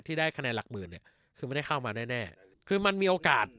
ได้คะแนนหลักหมื่นเนี่ยคือไม่ได้เข้ามาแน่คือมันมีโอกาส